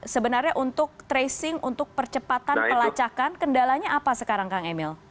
sebenarnya untuk tracing untuk percepatan pelacakan kendalanya apa sekarang kang emil